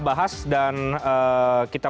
bahas dan kita